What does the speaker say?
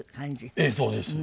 ええそうです。